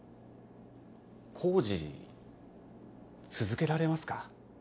工事続けられますか？